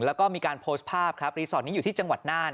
แล้วก็มีการโพสต์ภาพครับรีสอร์ทนี้อยู่ที่จังหวัดน่าน